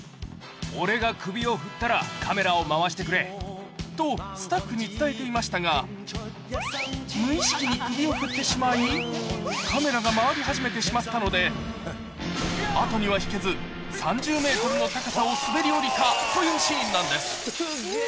俺が首を振ったら、カメラをと、スタッフに伝えていましたが、無意識に首を振ってしまい、カメラが回り始めてしまったので、後には引けず、３０メートルの高さを滑り下りたというシーンなんです。